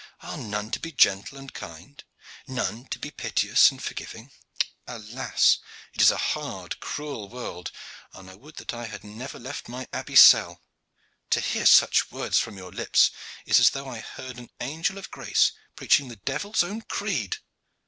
Are none to be gentle and kind, none to be piteous and forgiving? Alas! it is a hard, cruel world, and I would that I had never left my abbey cell. To hear such words from your lips is as though I heard an angel of grace preaching the devil's own creed."